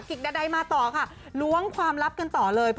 กิกดาไดมาต่อค่ะลวงความลับกันต่อเลย